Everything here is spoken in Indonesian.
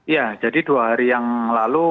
ya jadi dua hari yang lalu